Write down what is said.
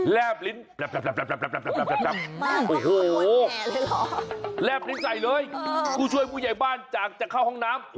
แล้วมันก็หันมาบอง